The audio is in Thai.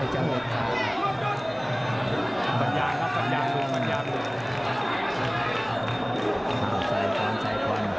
ตัวปัญญานะครับปัญญามัวปัญญา